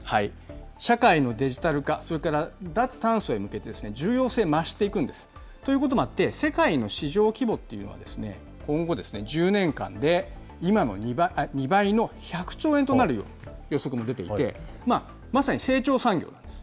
社会のデジタル化、それから脱炭素へ向けて、重要性増していくんです。ということもあって、世界の市場規模っていうのは、今後１０年間で今の２倍の１００兆円となる予測も出ていて、まさに成長産業です。